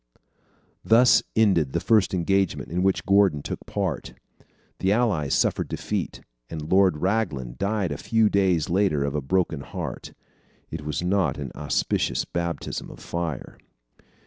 Thus ended the first engagement in which Gordon took part. The Allies suffered defeat, and Lord Raglan died a few days later of a broken heart. It was not an auspicious baptism of fire.